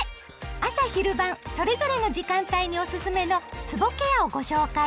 朝・昼・晩それぞれの時間帯におすすめのつぼケアをご紹介。